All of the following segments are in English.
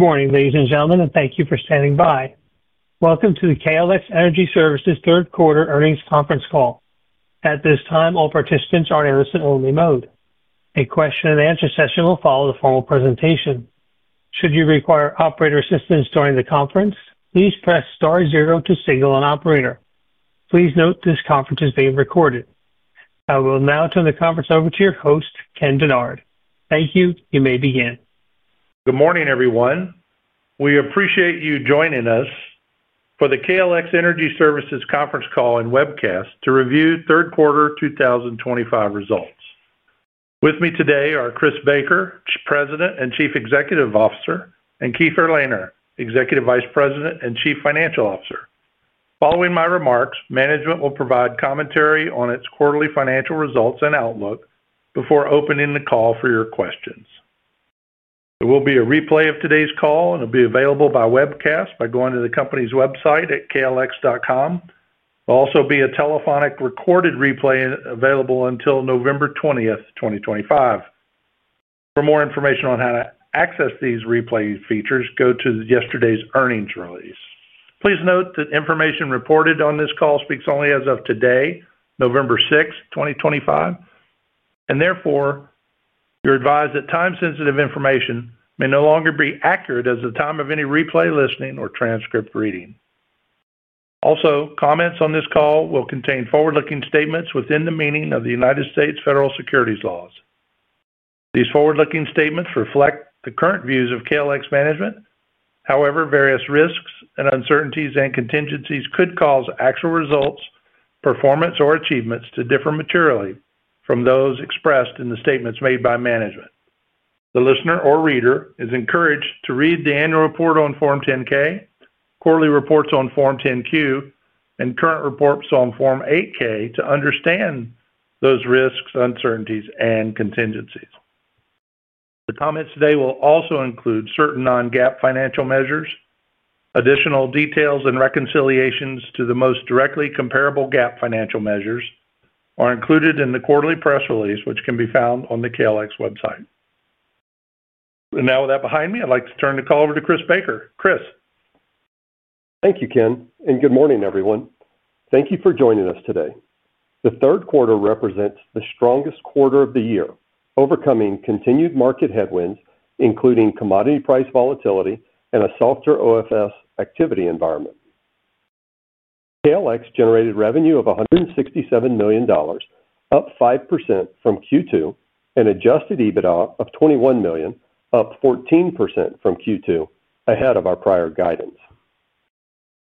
Good morning, ladies and gentlemen, and thank you for standing by. Welcome to the KLX Energy Services Third Quarter Earnings Conference Call. At this time, all participants are in listen-only mode. A question-and-answer session will follow the formal presentation. Should you require operator assistance during the conference, please press star zero to signal an operator. Please note this conference is being recorded. I will now turn the conference over to your host, Ken Dennard. Thank you. You may begin. Good morning, everyone. We appreciate you joining us for the KLX Energy Services Conference Call and webcast to review third quarter 2025 results. With me today are Chris Baker, President and Chief Executive Officer, and Keefer Lehner, Executive Vice President and Chief Financial Officer. Following my remarks, management will provide commentary on its quarterly financial results and outlook before opening the call for your questions. There will be a replay of today's call, and it'll be available by webcast by going to the company's website at klx.com. There'll also be a telephonic recorded replay available until November 20th, 2025. For more information on how to access these replay features, go to yesterday's earnings release. Please note that information reported on this call speaks only as of today, November 6th, 2025. Therefore. You're advised that time-sensitive information may no longer be accurate as the time of any replay listening or transcript reading. Also, comments on this call will contain forward-looking statements within the meaning of the United States Federal Securities Laws. These forward-looking statements reflect the current views of KLX Energy Services management. However, various risks and uncertainties and contingencies could cause actual results, performance, or achievements to differ materially from those expressed in the statements made by management. The listener or reader is encouraged to read the annual report on Form 10-K, quarterly reports on Form 10-Q, and current reports on Form 8-K to understand those risks, uncertainties, and contingencies. The comments today will also include certain non-GAAP financial measures. Additional details and reconciliations to the most directly comparable GAAP financial measures are included in the quarterly press release, which can be found on the KLX Energy Services website. With that behind me, I'd like to turn the call over to Chris Baker. Chris. Thank you, Ken, and good morning, everyone. Thank you for joining us today. The third quarter represents the strongest quarter of the year, overcoming continued market headwinds, including commodity price volatility and a softer OFS activity environment. KLX generated revenue of $167 million, up 5% from Q2, and Adjusted EBITDA of $21 million, up 14% from Q2, ahead of our prior guidance.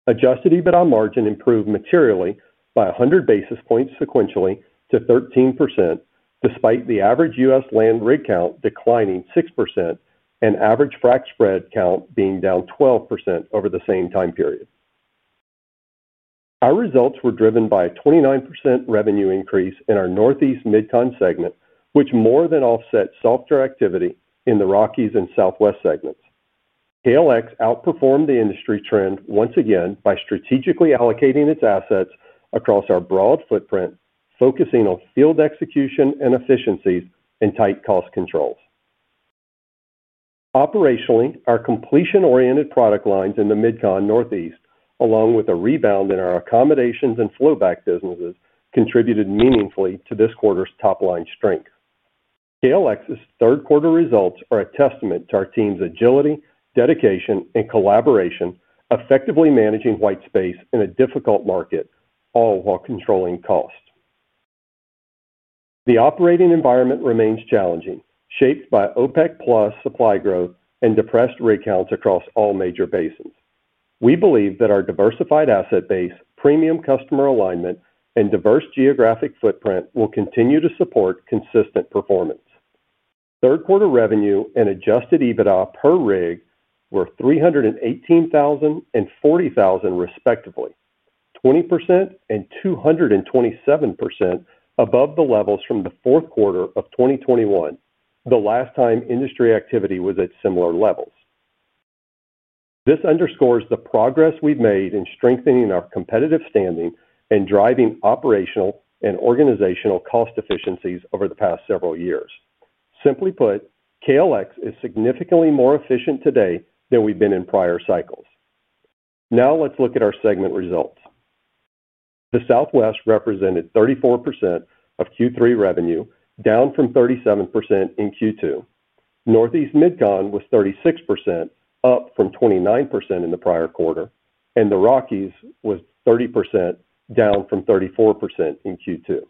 Adjusted EBITDA margin improved materially by 100 basis points sequentially to 13%, despite the average US land rig count declining 6% and average frac spread count being down 12% over the same time period. Our results were driven by a 29% revenue increase in our Northeast Mid-Con segment, which more than offset softer activity in the Rockies and Southwest segments. KLX outperformed the industry trend once again by strategically allocating its assets across our broad footprint, focusing on field execution and efficiencies and tight cost controls. Operationally, our completion-oriented product lines in the Northeast Mid-Con, along with a rebound in our accommodations and flowback businesses, contributed meaningfully to this quarter's top-line strength. KLX's third-quarter results are a testament to our team's agility, dedication, and collaboration, effectively managing white space in a difficult market, all while controlling cost. The operating environment remains challenging, shaped by OPEC+ supply growth and depressed rig counts across all major basins. We believe that our diversified asset base, premium customer alignment, and diverse geographic footprint will continue to support consistent performance. Third-quarter revenue and Adjusted EBITDA per rig were $318,000 and $40,000 respectively, 20% and 227% above the levels from the fourth quarter of 2021, the last time industry activity was at similar levels. This underscores the progress we've made in strengthening our competitive standing and driving operational and organizational cost efficiencies over the past several years. Simply put, KLX is significantly more efficient today than we've been in prior cycles. Now, let's look at our segment results. The Southwest represented 34% of Q3 revenue, down from 37% in Q2. Northeast Mid-Con was 36%, up from 29% in the prior quarter, and the Rockies was 30%, down from 34% in Q2.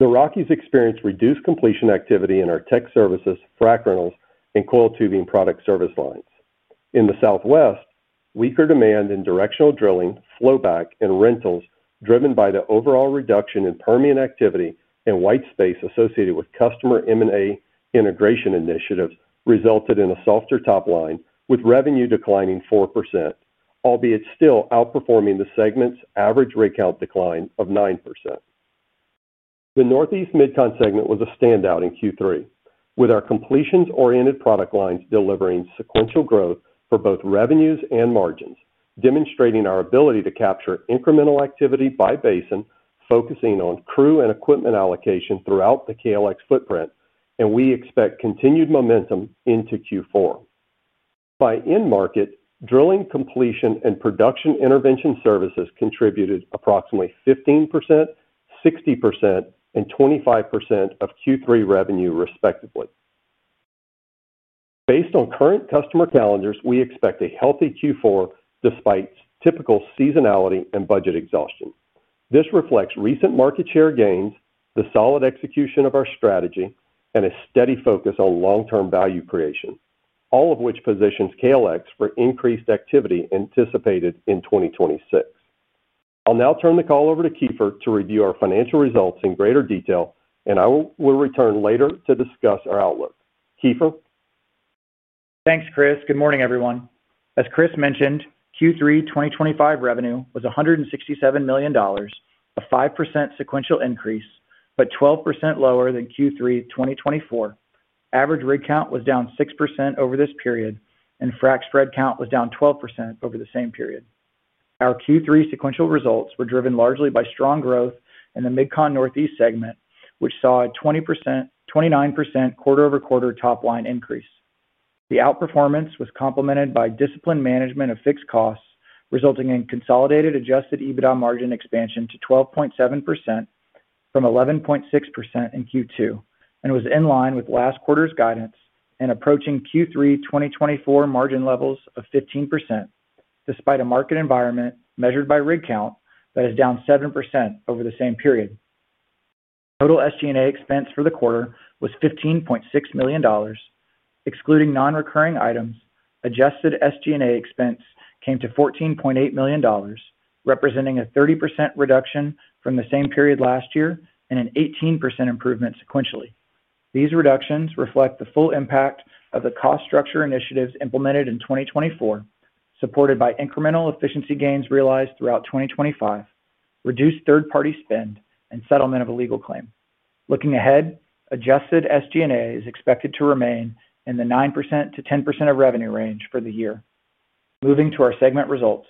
The Rockies experienced reduced completion activity in our tech services, frac rentals, and coil tubing product service lines. In the Southwest, weaker demand in directional drilling, flowback, and rentals driven by the overall reduction in Permian activity and white space associated with customer M&A integration initiatives resulted in a softer top line, with revenue declining 4%, albeit still outperforming the segment's average rig count decline of 9%. The Northeast Mid-Con segment was a standout in Q3, with our completions-oriented product lines delivering sequential growth for both revenues and margins, demonstrating our ability to capture incremental activity by basin, focusing on crew and equipment allocation throughout the KLX footprint, and we expect continued momentum into Q4. By end market, drilling, completion, and production intervention services contributed approximately 15%, 60%, and 25% of Q3 revenue, respectively. Based on current customer calendars, we expect a healthy Q4 despite typical seasonality and budget exhaustion. This reflects recent market share gains, the solid execution of our strategy, and a steady focus on long-term value creation, all of which positions KLX for increased activity anticipated in 2026. I'll now turn the call over to Keefer to review our financial results in greater detail, and I will return later to discuss our outlook. Keefer. Thanks, Chris. Good morning, everyone. As Chris mentioned, Q3 2025 revenue was $167 million, a 5% sequential increase, but 12% lower than Q3 2024. Average rig count was down 6% over this period, and frac spread count was down 12% over the same period. Our Q3 sequential results were driven largely by strong growth in the Northeast Mid-Con segment, which saw a 29% quarter-over-quarter top line increase. The outperformance was complemented by disciplined management of fixed costs, resulting in consolidated Adjusted EBITDA margin expansion to 12.7% from 11.6% in Q2, and was in line with last quarter's guidance and approaching Q3 2024 margin levels of 15%, despite a market environment measured by rig count that is down 7% over the same period. Total SG&A expense for the quarter was $15.6 million. Excluding non-recurring items, adjusted SG&A expense came to $14.8 million, representing a 30% reduction from the same period last year and an 18% improvement sequentially. These reductions reflect the full impact of the cost structure initiatives implemented in 2024, supported by incremental efficiency gains realized throughout 2025, reduced third-party spend, and settlement of a legal claim. Looking ahead, adjusted SG&A is expected to remain in the 9%-10% of revenue range for the year. Moving to our segment results,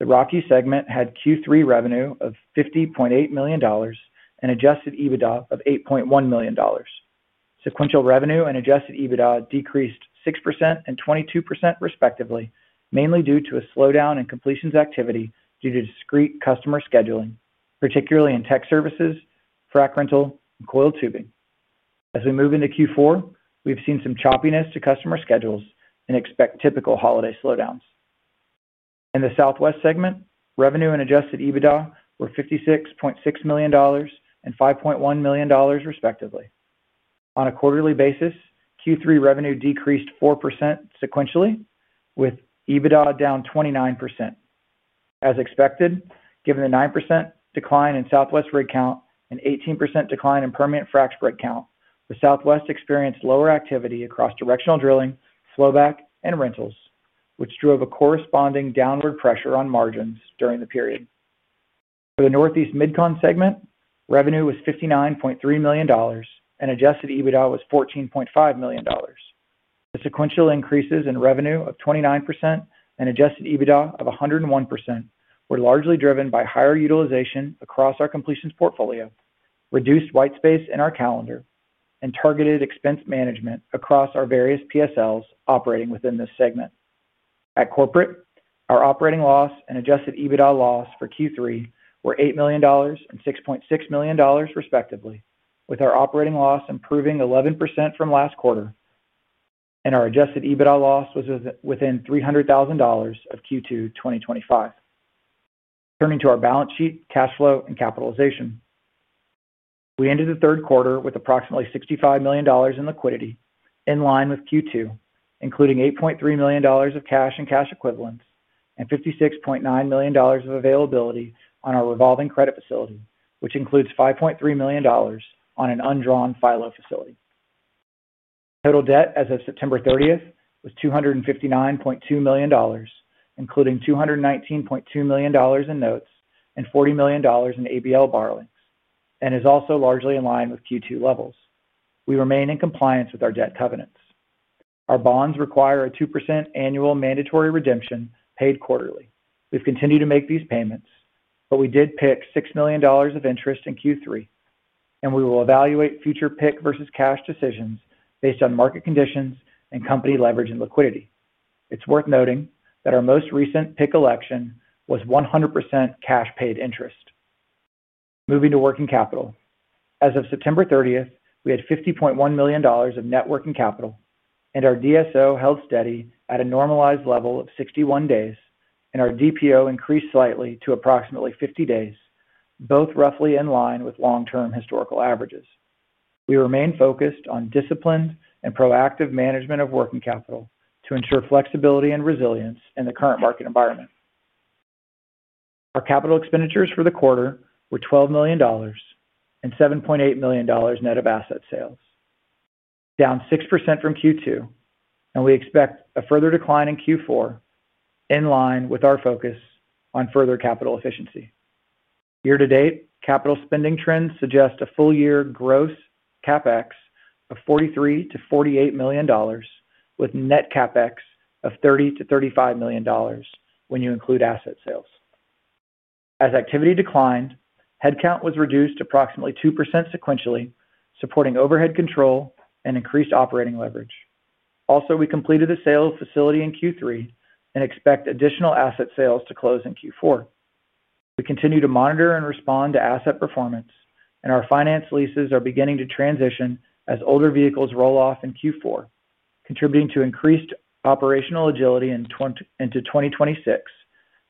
the Rockies segment had Q3 revenue of $50.8 million and Adjusted EBITDA of $8.1 million. Sequential revenue and Adjusted EBITDA decreased 6% and 22%, respectively, mainly due to a slowdown in completions activity due to discrete customer scheduling, particularly in tech services, frac rentals, and coil tubing. As we move into Q4, we've seen some choppiness to customer schedules and expect typical holiday slowdowns. In the southwest segment, revenue and Adjusted EBITDA were $56.6 million and $5.1 million, respectively. On a quarterly basis, Q3 revenue decreased 4% sequentially, with EBITDA down 29%. As expected, given the 9% decline in southwest rig count and 18% decline in Permian frac spread count, the southwest experienced lower activity across directional drilling, flowback, and rentals, which drove a corresponding downward pressure on margins during the period. For the northeast Mid-Con segment, revenue was $59.3 million, and Adjusted EBITDA was $14.5 million. The sequential increases in revenue of 29% and Adjusted EBITDA of 101% were largely driven by higher utilization across our completions portfolio, reduced white space in our calendar, and targeted expense management across our various PSLs operating within this segment. At corporate, our operating loss and Adjusted EBITDA loss for Q3 were $8 million and $6.6 million, respectively, with our operating loss improving 11% from last quarter. Our Adjusted EBITDA loss was within $300,000 of Q2 2025. Turning to our balance sheet, cash flow, and capitalization. We ended the third quarter with approximately $65 million in liquidity, in line with Q2, including $8.3 million of cash and cash equivalents and $56.9 million of availability on our revolving credit facility, which includes $5.3 million on an undrawn FILO facility. Total debt as of September 30th was $259.2 million, including $219.2 million in notes and $40 million in ABL borrowings, and is also largely in line with Q2 levels. We remain in compliance with our debt covenants. Our bonds require a 2% annual mandatory redemption paid quarterly. We've continued to make these payments, but we did PIK $6 million of interest in Q3, and we will evaluate future PIK versus cash decisions based on market conditions and company leverage and liquidity. It's worth noting that our most recent pick election was 100% cash-paid interest. Moving to working capital. As of September 30th, we had $50.1 million of net working capital, and our DSO held steady at a normalized level of 61 days, and our DPO increased slightly to approximately 50 days, both roughly in line with long-term historical averages. We remain focused on disciplined and proactive management of working capital to ensure flexibility and resilience in the current market environment. Our capital expenditures for the quarter were $12 million, and $7.8 million net of asset sales. Down 6% from Q2, and we expect a further decline in Q4. In line with our focus on further capital efficiency. Year-to-date, capital spending trends suggest a full-year gross CapEx of $43 million-$48 million, with net CapEx of $30 million-$35 million when you include asset sales. As activity declined, headcount was reduced approximately 2% sequentially, supporting overhead control and increased operating leverage. Also, we completed the sale of a facility in Q3 and expect additional asset sales to close in Q4. We continue to monitor and respond to asset performance, and our finance leases are beginning to transition as older vehicles roll off in Q4, contributing to increased operational agility into 2026,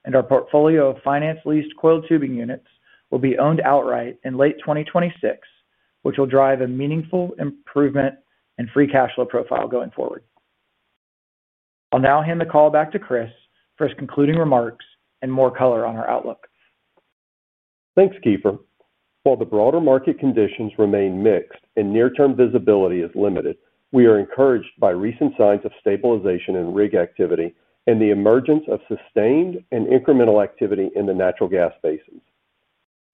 and our portfolio of finance-leased coil tubing units will be owned outright in late 2026, which will drive a meaningful improvement in free cash flow profile going forward. I'll now hand the call back to Chris for his concluding remarks and more color on our outlook. Thanks, Keefer. While the broader market conditions remain mixed and near-term visibility is limited, we are encouraged by recent signs of stabilization in rig activity and the emergence of sustained and incremental activity in the natural gas basins.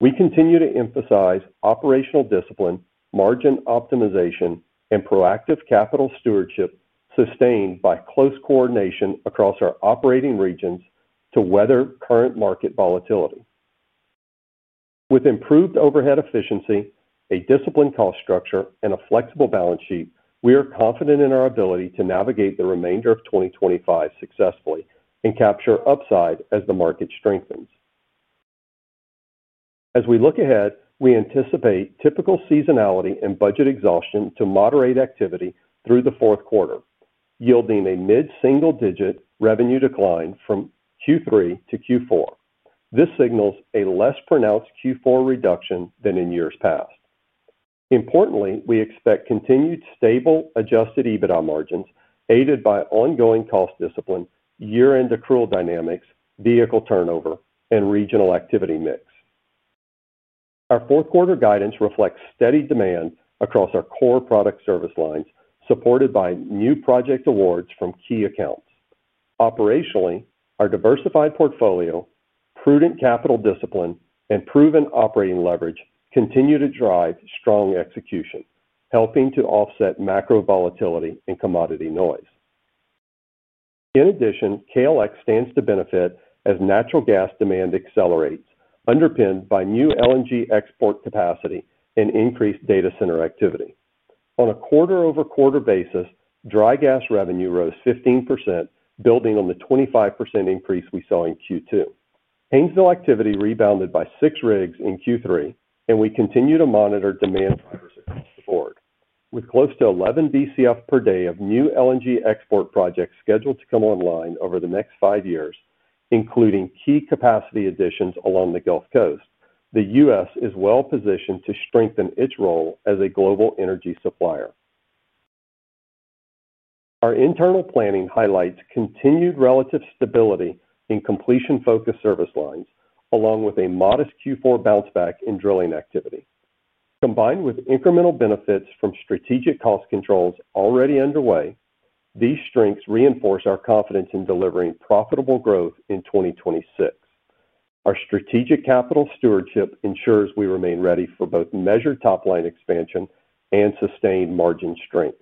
We continue to emphasize operational discipline, margin optimization, and proactive capital stewardship sustained by close coordination across our operating regions to weather current market volatility. With improved overhead efficiency, a disciplined cost structure, and a flexible balance sheet, we are confident in our ability to navigate the remainder of 2025 successfully and capture upside as the market strengthens. As we look ahead, we anticipate typical seasonality and budget exhaustion to moderate activity through the fourth quarter, yielding a mid-single-digit revenue decline from Q3 to Q4. This signals a less pronounced Q4 reduction than in years past. Importantly, we expect continued stable Adjusted EBITDA margins aided by ongoing cost discipline, year-end accrual dynamics, vehicle turnover, and regional activity mix. Our fourth-quarter guidance reflects steady demand across our core product service lines, supported by new project awards from key accounts. Operationally, our diversified portfolio, prudent capital discipline, and proven operating leverage continue to drive strong execution, helping to offset macro volatility and commodity noise. In addition, KLX stands to benefit as natural gas demand accelerates, underpinned by new LNG export capacity and increased data center activity. On a quarter-over-quarter basis, dry gas revenue rose 15%, building on the 25% increase we saw in Q2. Haynesville activity rebounded by six rigs in Q3, and we continue to monitor demand drivers across the board. With close to 11 BCF per day of new LNG export projects scheduled to come online over the next five years, including key capacity additions along the Gulf Coast, the U.S. is well-positioned to strengthen its role as a global energy supplier. Our internal planning highlights continued relative stability in completion-focused service lines, along with a modest Q4 bounce-back in drilling activity. Combined with incremental benefits from strategic cost controls already underway, these strengths reinforce our confidence in delivering profitable growth in 2026. Our strategic capital stewardship ensures we remain ready for both measured top line expansion and sustained margin strength.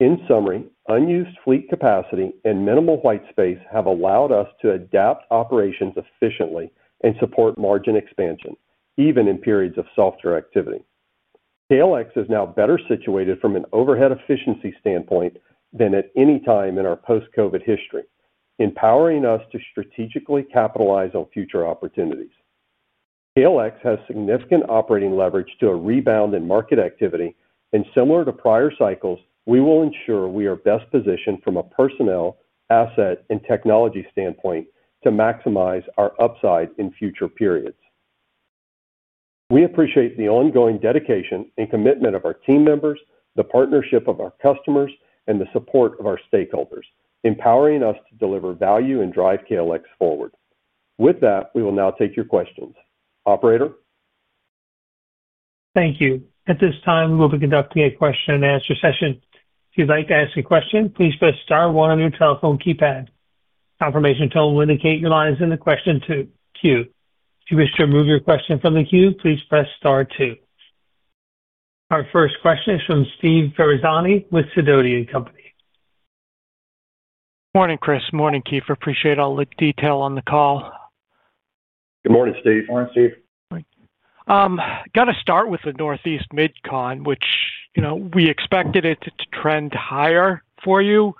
In summary, unused fleet capacity and minimal white space have allowed us to adapt operations efficiently and support margin expansion, even in periods of softer activity. KLX is now better situated from an overhead efficiency standpoint than at any time in our post-COVID history, empowering us to strategically capitalize on future opportunities. KLX has significant operating leverage to a rebound in market activity, and similar to prior cycles, we will ensure we are best positioned from a personnel, asset, and technology standpoint to maximize our upside in future periods. We appreciate the ongoing dedication and commitment of our team members, the partnership of our customers, and the support of our stakeholders, empowering us to deliver value and drive KLX forward. With that, we will now take your questions. Operator. Thank you. At this time, we will be conducting a question-and-answer session. If you'd like to ask a question, please press star one on your telephone keypad. A confirmation tone will indicate your line is in the question queue. If you wish to remove your question from the queue, please press star two. Our first question is from Steve Ferazani with Sidoti & Company. Good morning, Chris. Morning, Keefer. Appreciate all the detail on the call. Good morning, Steve. Morning, Steve. Morning. Got to start with the Northeast Mid-Con, which we expected it to trend higher for you.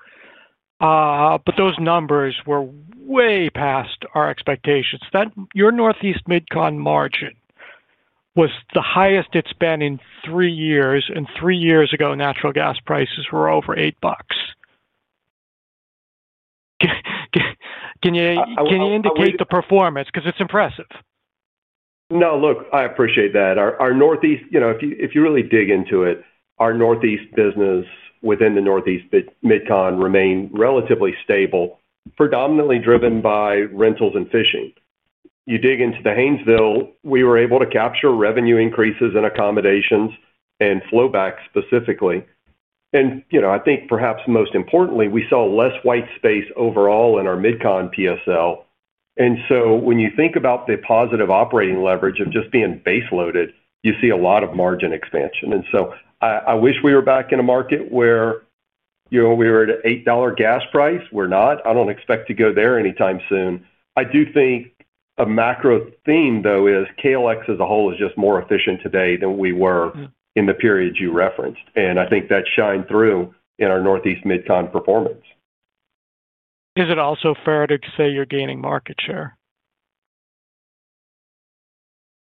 But those numbers were way past our expectations. Your Northeast Mid-Con margin was the highest it has been in three years, and three years ago, natural gas prices were over $8. Can you indicate the performance? Because it is impressive. No, look, I appreciate that. Our Northeast, if you really dig into it, our Northeast business within the Northeast Mid-Con remained relatively stable, predominantly driven by rentals and fishing. You dig into the Haynesville, we were able to capture revenue increases in accommodations and flowback specifically. I think perhaps most importantly, we saw less white space overall in our Mid-Con PSL. When you think about the positive operating leverage of just being base-loaded, you see a lot of margin expansion. I wish we were back in a market where we were at an $8 gas price. We're not. I don't expect to go there anytime soon. I do think a macro theme, though, is KLX as a whole is just more efficient today than we were in the periods you referenced. I think that shined through in our Northeast Mid-Con performance. Is it also fair to say you're gaining market share?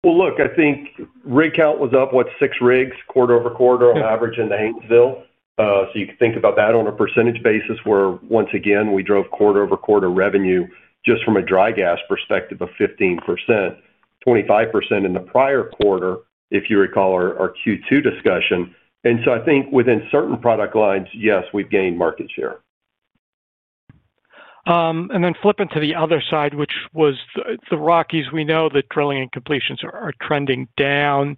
I think rig count was up, what, six rigs quarter over quarter on average in the Haynesville. You can think about that on a percentage basis where, once again, we drove quarter over quarter revenue just from a dry gas perspective of 15%, 25% in the prior quarter, if you recall our Q2 discussion. I think within certain product lines, yes, we've gained market share. Then flipping to the other side, which was the Rockies, we know that drilling and completions are trending down,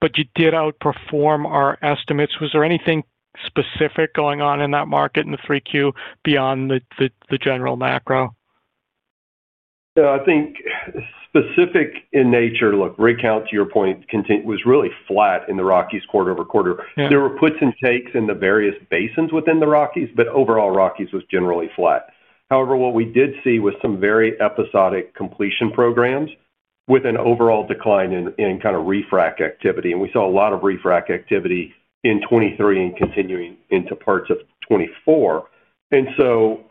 but you did outperform our estimates. Was there anything specific going on in that market in the three-queue beyond the general macro? I think specific in nature, look, rig count, to your point, was really flat in the Rockies quarter over quarter. There were puts and takes in the various basins within the Rockies, but overall, Rockies was generally flat. However, what we did see was some very episodic completion programs with an overall decline in kind of refract activity. We saw a lot of refract activity in 2023 and continuing into parts of 2024.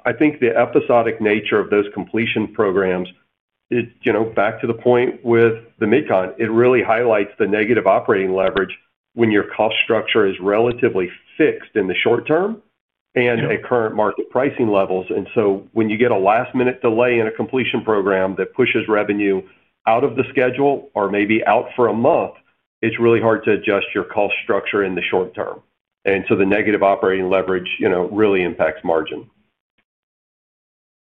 I think the episodic nature of those completion programs, back to the point with the Mid-Con, really highlights the negative operating leverage when your cost structure is relatively fixed in the short term and at current market pricing levels. When you get a last-minute delay in a completion program that pushes revenue out of the schedule or maybe out for a month, it's really hard to adjust your cost structure in the short term. The negative operating leverage really impacts margin.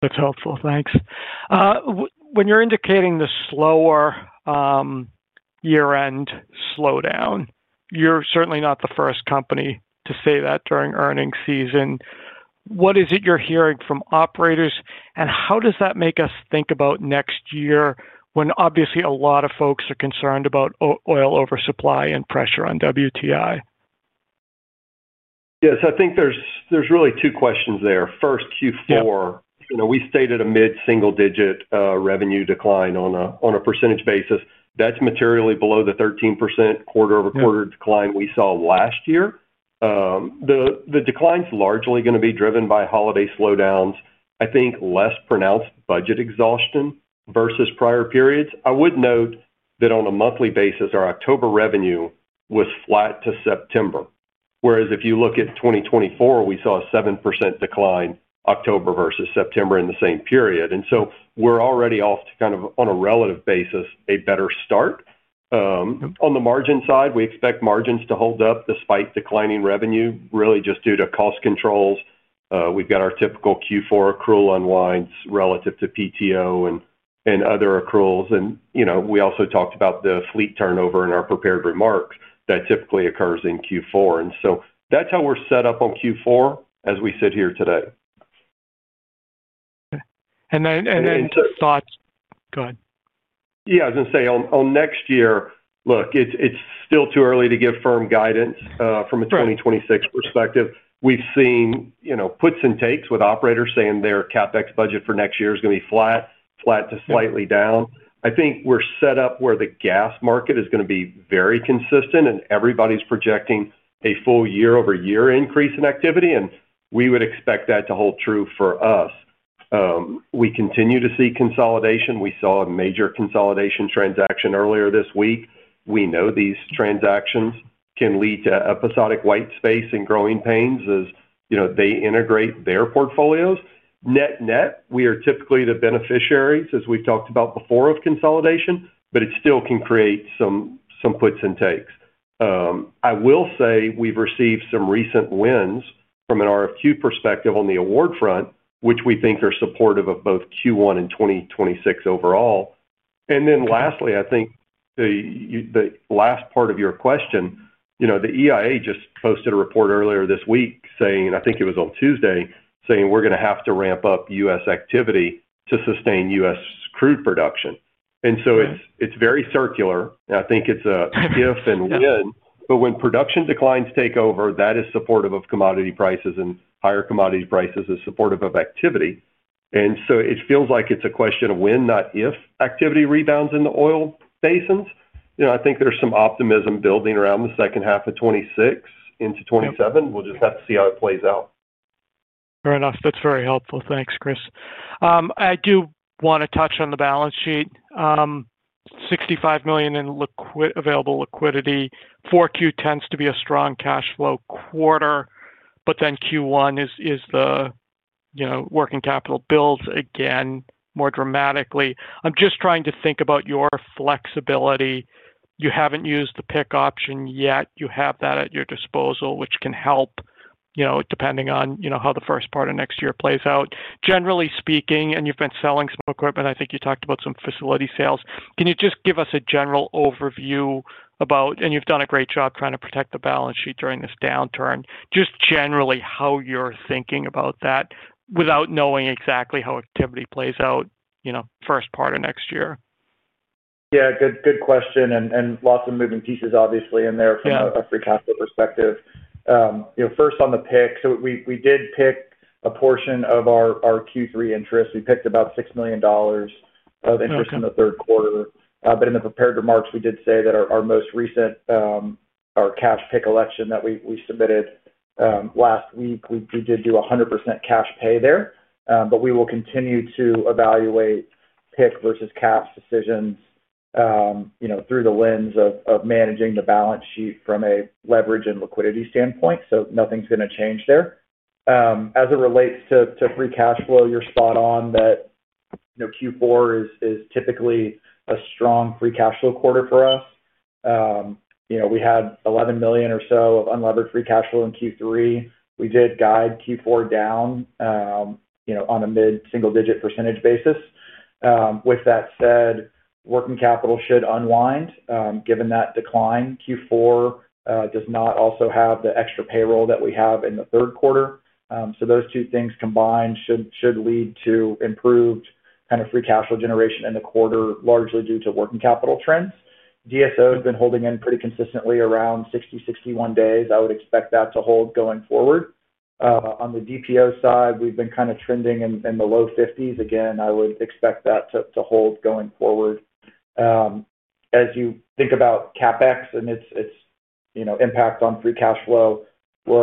That's helpful. Thanks. When you're indicating the slower year-end slowdown, you're certainly not the first company to say that during earnings season. What is it you're hearing from operators, and how does that make us think about next year when obviously a lot of folks are concerned about oil oversupply and pressure on WTI? Yes. I think there's really two questions there. First, Q4, we stated a mid-single-digit revenue decline on a percentage basis. That's materially below the 13% quarter-over-quarter decline we saw last year. The decline's largely going to be driven by holiday slowdowns, I think less pronounced budget exhaustion versus prior periods. I would note that on a monthly basis, our October revenue was flat to September. Whereas if you look at 2024, we saw a 7% decline October versus September in the same period. We are already off to kind of, on a relative basis, a better start. On the margin side, we expect margins to hold up despite declining revenue, really just due to cost controls. We've got our typical Q4 accrual unwinds relative to PTO and other accruals. We also talked about the fleet turnover in our prepared remarks that typically occurs in Q4. That's how we're set up on Q4 as we sit here today. Okay. Thoughts, go ahead. Yeah. I was going to say on next year, look, it's still too early to give firm guidance from a 2026 perspective. We've seen puts and takes with operators saying their CapEx budget for next year is going to be flat, flat to slightly down. I think we're set up where the gas market is going to be very consistent, and everybody's projecting a full year-over-year increase in activity, and we would expect that to hold true for us. We continue to see consolidation. We saw a major consolidation transaction earlier this week. We know these transactions can lead to episodic white space and growing pains as they integrate their portfolios. Net net, we are typically the beneficiaries, as we've talked about before, of consolidation, but it still can create some puts and takes. I will say we've received some recent wins from an RFQ perspective on the award front, which we think are supportive of both Q1 and 2026 overall. Lastly, I think the last part of your question, the EIA just posted a report earlier this week saying, I think it was on Tuesday, saying we're going to have to ramp up U.S. activity to sustain U.S. crude production. It is very circular. I think it is a if and when. When production declines take over, that is supportive of commodity prices, and higher commodity prices is supportive of activity. It feels like it is a question of when, not if, activity rebounds in the oil basins. I think there is some optimism building around the second half of 2026 into 2027. We will just have to see how it plays out. Fair enough. That's very helpful. Thanks, Chris. I do want to touch on the balance sheet. $65 million in available liquidity. 4Q tends to be a strong cash flow quarter, but then Q1 is the working capital builds again more dramatically. I'm just trying to think about your flexibility. You haven't used the pick option yet. You have that at your disposal, which can help depending on how the first part of next year plays out. Generally speaking, and you've been selling some equipment, I think you talked about some facility sales. Can you just give us a general overview about, and you've done a great job trying to protect the balance sheet during this downturn, just generally how you're thinking about that without knowing exactly how activity plays out first part of next year? Yeah. Good question. Lots of moving pieces, obviously, in there from a free capital perspective. First, on the PIK, we did PIK a portion of our Q3 interest. We PIK about $6 million of interest in the third quarter. In the prepared remarks, we did say that our most recent cash PIK election that we submitted last week, we did do 100% cash pay there. We will continue to evaluate PIK versus cash decisions through the lens of managing the balance sheet from a leverage and liquidity standpoint. Nothing's going to change there. As it relates to free cash flow, you're spot on that Q4 is typically a strong free cash flow quarter for us. We had $11 million or so of unlevered free cash flow in Q3. We did guide Q4 down on a mid-single-digit percentage basis. With that said, working capital should unwind given that decline. Q4 does not also have the extra payroll that we have in the third quarter. Those two things combined should lead to improved kind of free cash flow generation in the quarter, largely due to working capital trends. DSO has been holding in pretty consistently around 60-61 days. I would expect that to hold going forward. On the DPO side, we have been kind of trending in the low 50s. Again, I would expect that to hold going forward. As you think about CapEx and its impact on free cash flow, we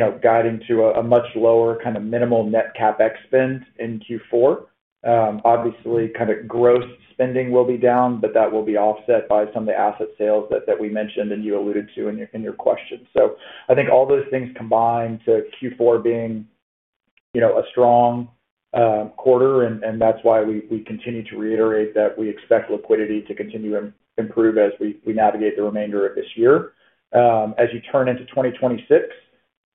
are guiding to a much lower kind of minimal net CapEx spend in Q4. Obviously, kind of gross spending will be down, but that will be offset by some of the asset sales that we mentioned and you alluded to in your question. I think all those things combine to Q4 being a strong quarter, and that's why we continue to reiterate that we expect liquidity to continue to improve as we navigate the remainder of this year. As you turn into 2026,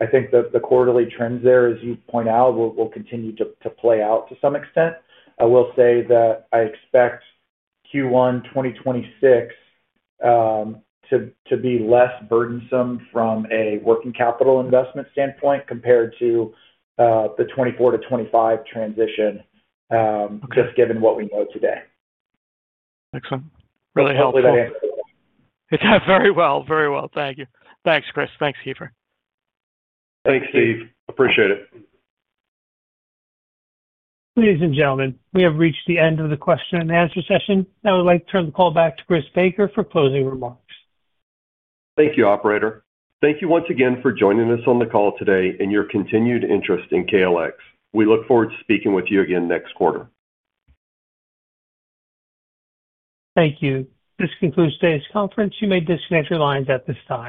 I think the quarterly trends there, as you point out, will continue to play out to some extent. I will say that I expect Q1 2026 to be less burdensome from a working capital investment standpoint compared to the 2024 to 2025 transition, just given what we know today. Excellent. Really helpful. Hopefully, that answered it. Very well. Thank you. Thanks, Chris. Thanks, Keefer. Thanks, Steve. Appreciate it. Ladies and gentlemen, we have reached the end of the question and answer session. I would like to turn the call back to Chris Baker for closing remarks. Thank you, operator. Thank you once again for joining us on the call today and your continued interest in KLX. We look forward to speaking with you again next quarter. Thank you. This concludes today's conference. You may disconnect your lines at this time.